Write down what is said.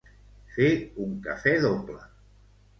Fer un cafè doble.